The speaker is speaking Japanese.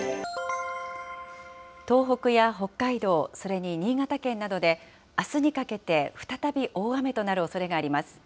東北や北海道、それに新潟県などで、あすにかけて再び大雨となるおそれがあります。